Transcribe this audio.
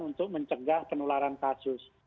untuk mencegah penularan kasus